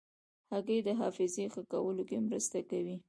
هګۍ د حافظې ښه کولو کې مرسته کوي.